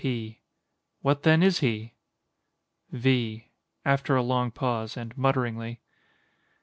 _] P. What, then, is he? V. [_After a long pause, and mutteringly.